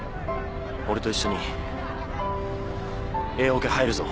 俺と一緒にＡオケ入るぞ。